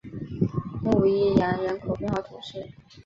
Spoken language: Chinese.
努伊扬人口变化图示